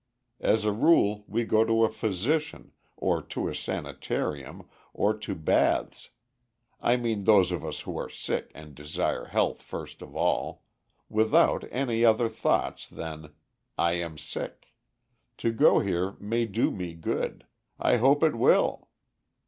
As a rule, we go to a physician, or to a sanitarium, or to baths I mean those of us who are sick and desire health first of all without any other thoughts than "I am sick. To go here may do me good. I hope it will."